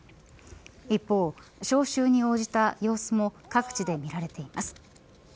一方、招集に応じた様子も各地で見られています。